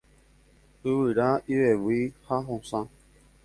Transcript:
Yvyra ivevýi ha hosã.